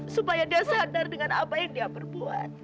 supaya dia sadar dengan apa yang dia berbuat